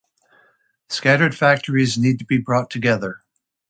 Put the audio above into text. Scattered factories need to be brought together.